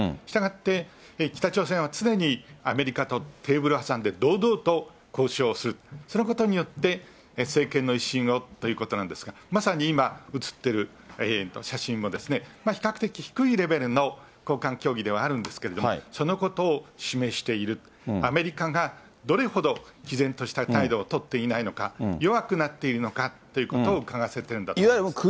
したがって、北朝鮮は常にアメリカとテーブルを挟んで堂々と交渉をする、そのことによって、政権の威信をということなんですが、まさに今写っている写真も、比較的低いレベルの高官協議ではあるんですけれども、そのことを示している、アメリカがどれほどきぜんとした態度を取っていないのか、弱くなっているのかということをうかがわせているんだと思います。